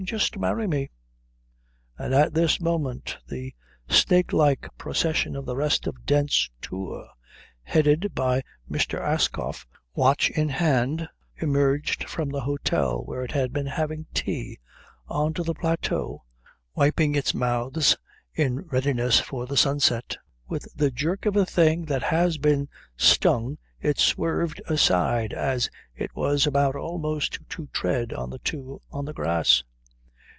Just marry me." And at this moment the snake like procession of the rest of Dent's Tour, headed by Mr. Ascough watch in hand, emerged from the hôtel, where it had been having tea, on to the plateau, wiping its mouths in readiness for the sunset. With the jerk of a thing that has been stung it swerved aside as it was about almost to tread on the two on the grass.